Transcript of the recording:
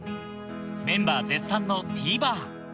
メンバー絶賛のＴバー